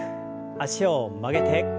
脚を曲げて。